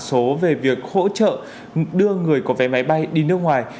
số về việc hỗ trợ đưa người có vé máy bay đi nước ngoài